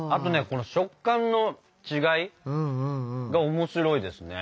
この食感の違いが面白いですね。